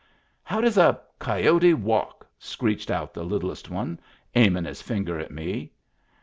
" How does a coyote walk ?" screeched out the littlest one, aimin' his finger at me.